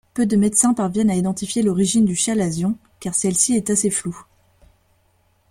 Peu de médecins parviennent à identifier l'origine du chalazion, car celle-ci est assez floue.